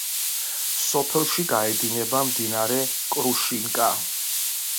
სოფელში გაედინება მდინარე კრუშინკა.